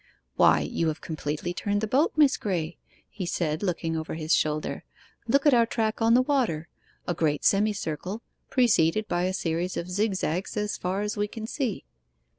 'Why, you have completely turned the boat, Miss Graye?' he said, looking over his shoulder. 'Look at our track on the water a great semicircle, preceded by a series of zigzags as far as we can see.